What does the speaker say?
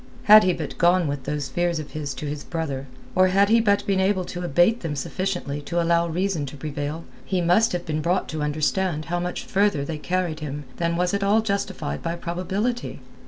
Had he but gone with those fears of his to his brother, or had he but been able to abate them sufficiently to allow reason to prevail, he must have been brought to understand how much further they carried him than was at all justified by probability.